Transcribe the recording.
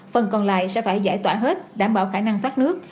phần còn lại sẽ phải giải tỏa hết đảm bảo khả năng thoát nước